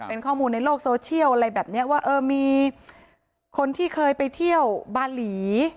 เป็นข้อมูลในโลกโซเชียลอะไรแบบเนี้ยว่าเออมีคนที่เคยไปเที่ยวบาหลี